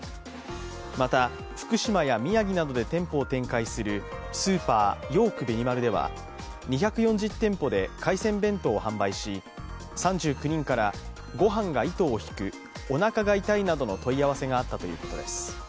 また、福島や宮城などで店舗を展開するスーパー、ヨークベニマルでは２４０店舗で海鮮弁当を販売し３９人からご飯が糸を引くおなかが痛いなどの問い合わせがあったということです。